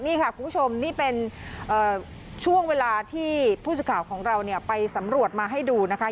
นี่ค่ะคุณผู้ชมนี่เป็นช่วงเวลาที่ผู้สื่อข่าวของเราเนี่ยไปสำรวจมาให้ดูนะคะ